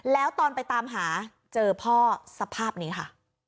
แล้วตอนไปตามหาเจอพ่อสภาพนี้ค่ะ